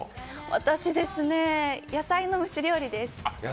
私ですね、野菜の蒸し料理です。